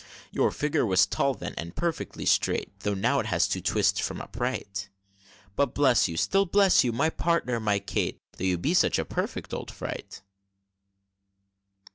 Your figure was tall, then, and perfectly straight, Though it now has two twists from upright But bless you! still bless you! my Partner! my Kate! Though you be such a perfect old fright!